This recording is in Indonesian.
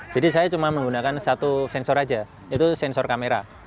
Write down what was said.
jadi saya cuma menggunakan satu sensor saja itu sensor kamera